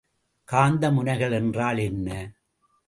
காந்த முனைகள் என்றால் என்ன?